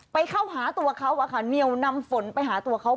เข้าหาตัวเขาอะค่ะเหนียวนำฝนไปหาตัวเขา